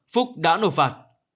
phúc đã nộp phạt